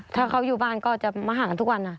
ถ้าเขาอยู่บ้านก็จะมาหากันทุกวัน